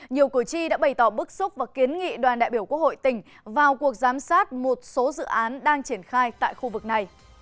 nhiều cử tri đã bày tỏ bức xúc và kiến nghị đoàn đại biểu quốc hội tỉnh vào cuộc giám sát một số dự án đang triển khai tại khu vực này